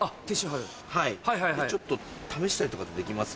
はいちょっと試したりとかってできます？